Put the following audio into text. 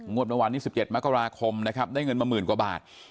งบรางวัลราคม๒๗มากรคมนะครับได้เงินมาหมื่นกว่าบาท